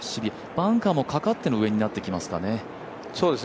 バンカーもかかっての上になってきますかね。